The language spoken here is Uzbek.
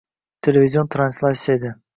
televizion translyatsiya edi!